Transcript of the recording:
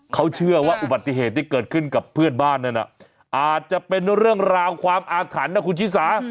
เขาเชื่อว่าอุบัติเหตุที่เกิดขึ้นกับเพื่อนบ้านนั้นอาจจะเป็นเรื่องราวความอาถรรพ์นะคุณชิสา